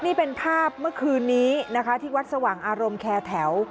นี่เป็นภาพเมื่อคืนนี้นะคะที่วัดสว่างอารมณ์แคร์แถว